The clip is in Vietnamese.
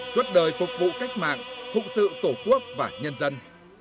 suốt đời phục vụ cách mạng phục sự tổ quốc và nhân dân